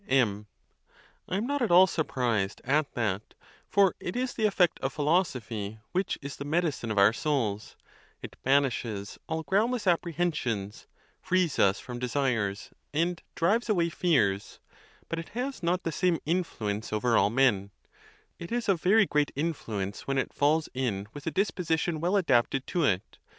M. 1 am not at all surprised at that, for it is the effect of philosophy, which is the medicine of our souls; it ban ishes all groundless apprehensions, frees us from desires, and drives away fears: but it has not the same influence over all men; it is of very great influence when it falls in — with a disposition well adapted to it.